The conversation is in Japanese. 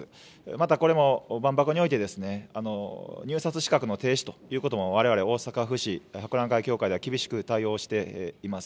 またこれも、万博において、入札資格の停止ということも、われわれ、大阪府市、博覧会協会では厳しく対応しています。